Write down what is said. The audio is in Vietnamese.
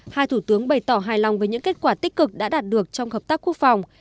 hai thủ tướng bày tỏ hài lòng với những kết quả tích cực đã đạt được trong hợp tác quốc phòng